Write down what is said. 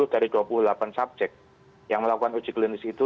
satu dari dua puluh delapan subjek yang melakukan uji klinis itu